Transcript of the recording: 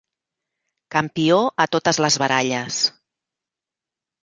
Campió a totes les baralles.